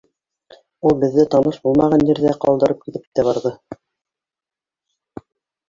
Ул беҙҙе таныш булмаған ерҙә ҡалдырып китеп тә барҙы.